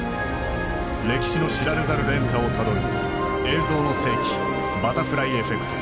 歴史の知られざる連鎖をたどる「映像の世紀バタフライエフェクト」。